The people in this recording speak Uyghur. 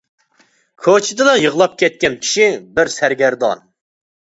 كوچىدىلا يىغلاپ كەتكەن كىشى بىر سەرگەردان.